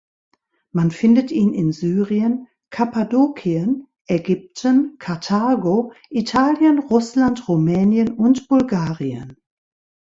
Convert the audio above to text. Man findet ihn in Syrien, Kappadokien, Ägypten, Karthago, Italien, Russland, Rumänien und Bulgarien.